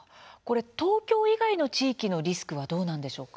東京以外の地域のリスクはどうなんでしょうか。